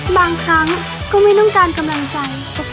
บางครั้งก็ไม่ต้องการกำลังใจ